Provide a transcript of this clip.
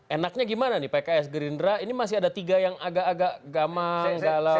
enaknya gimana nih pks gerindra ini masih ada tiga yang agak agak gamai